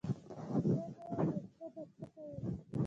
چي زه نه وم نو ته به څه کوي